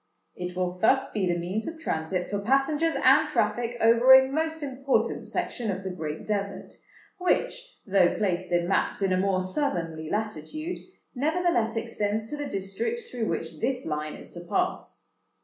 It will thus be the means of transit for passengers and traffic over a most important section of the Great Desert, which, though placed in maps in a more southernly latitude, nevertheless extends to the District through which this Line is to pass.